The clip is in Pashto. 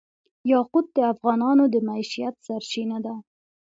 یاقوت د افغانانو د معیشت سرچینه ده.